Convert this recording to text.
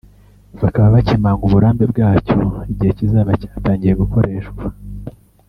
bakaba bakemanga uburambe bwacyo igihe kizaba cyatangiye gukoreshwa